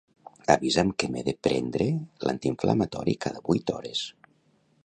Avisa'm que m'he de prendre l'antiinflamatori cada vuit hores.